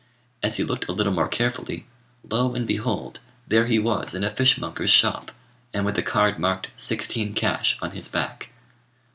As he looked a little more carefully, lo and behold there he was in a fishmonger's shop, and with a card marked "sixteen cash" on his back.